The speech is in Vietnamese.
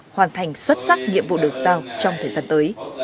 hoàn thành xuất sắc nhiệm vụ được giao trong thời gian tới